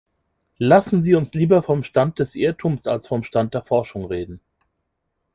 Lassen Sie uns lieber vom Stand des Irrtums als vom Stand der Forschung reden.